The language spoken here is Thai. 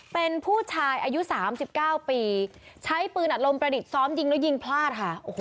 เป็นผู้ชายอายุ๓๙ปีใช้ปืนอัดลมประดิษฐ์ซ้อมยิงแล้วยิงพลาดค่ะ